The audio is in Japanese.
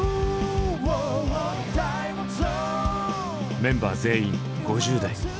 メンバー全員５０代。